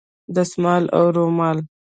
دستمال او رومال